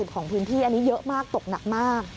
ของพื้นที่อันนี้เยอะมากตกหนักมาก